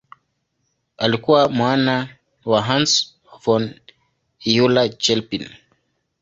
Alikuwa mwana wa Hans von Euler-Chelpin.